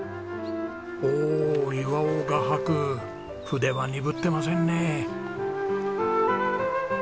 おお岩男画伯筆は鈍ってませんね。